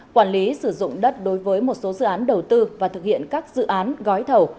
quản lý sử dụng đất đối với một số dự án đầu tư và thực hiện các dự án gói thầu